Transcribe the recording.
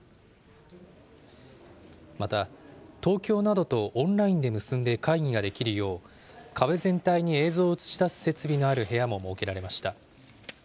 また、東京などとオンラインで結んで会議ができるよう、壁全体に映像を映し出す設備のある部屋も設けられました。